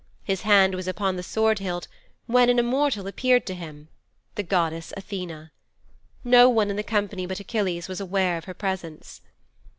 His hand was upon the sword hilt when an immortal appeared to him the goddess Athene. No one in the company but Achilles was aware of her presence.